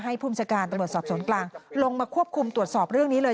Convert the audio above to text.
ภูมิชาการตำรวจสอบสวนกลางลงมาควบคุมตรวจสอบเรื่องนี้เลย